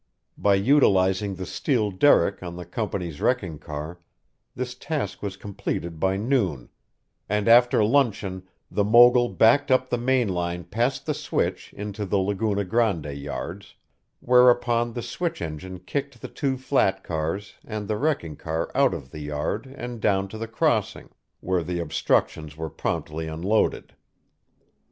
By utilizing the steel derrick on the company's wrecking car, this task was completed by noon, and after luncheon the mogul backed up the main line past the switch into the Laguna Grande yards; whereupon the switch engine kicked the two flat cars and the wrecking car out of the yard and down to the crossing, where the obstructions were promptly unloaded.